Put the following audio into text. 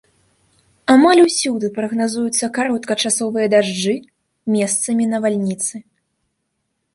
Амаль усюды прагназуюцца кароткачасовыя дажджы, месцамі навальніцы.